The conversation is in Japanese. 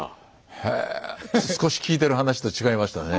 へえ少し聞いている話と違いましたね。